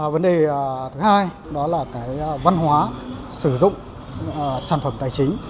vấn đề thứ hai đó là cái văn hóa sử dụng sản phẩm tài chính